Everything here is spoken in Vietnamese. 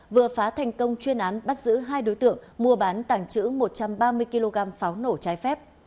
vừa phá thành công chuyên án bắt giữ hai đối tượng mua bán tàng trữ một trăm ba mươi kg pháo nổ trái phép